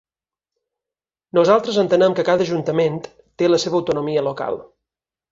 Nosaltres entenem que cada ajuntament té la seva autonomia local.